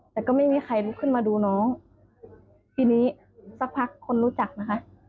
แต่ก็ไม่มีใครลุกขึ้นมาดูน้องทีนี้สักพักคนรู้จักนะคะ